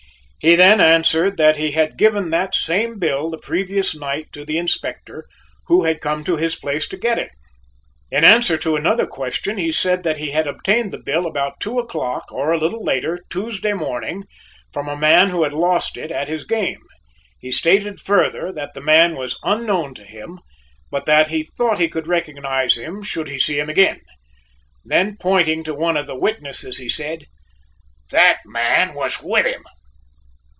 He then answered that he had given that same bill the previous night to the Inspector, who had come to his place to get it. In answer to another question, he said that he had obtained the bill about two o'clock or a little later Tuesday morning from a man who had lost it at his game. He stated further that the man was unknown to him, but that he thought he could recognize him should he see him again. Then pointing to one of the witnesses, he said: "That man was with him!"